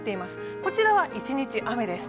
こちらは一日雨です。